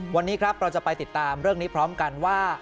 วันนี้ครับเราจะไปติดตามเรื่องนี้พร้อมกันว่า